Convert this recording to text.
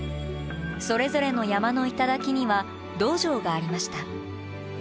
それぞれの山の頂には道場がありました。